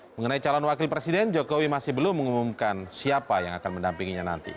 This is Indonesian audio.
mengenai calon wakil presiden jokowi masih belum mengumumkan siapa yang akan mendampinginya nanti